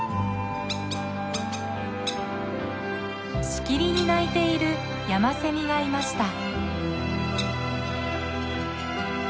しきりに鳴いているヤマセミがいました。